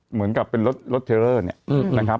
เหมือนกับเป็นรถเทอร์เลอร์เนี่ย